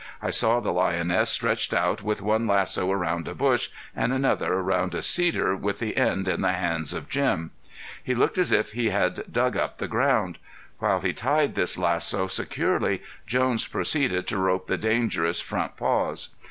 I saw the lioness stretched out with one lasso around a bush and another around a cedar with the end in the hands of Jim. He looked as if he had dug up the ground. While he tied this lasso securely Jones proceeded to rope the dangerous front paws.